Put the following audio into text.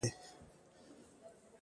ویښېدنه د بیدار کېدو عمل دئ.